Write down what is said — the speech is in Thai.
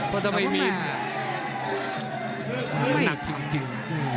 เพราะถ้าไม่มีน้ำหนักจริง